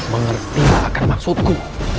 mengerti akan maksudku